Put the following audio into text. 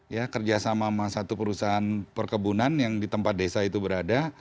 ya kerjasama sama satu perusahaan perkebunan yang di tempat desa itu berada